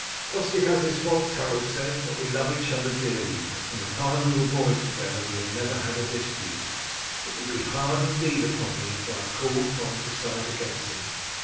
"Tostig has his faults," Harold said; "but we love each other dearly, and from the time we were boys together we have never had a dispute. It will be hard indeed upon me if I am called upon to side against him.